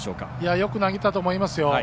よく投げたと思いますよ。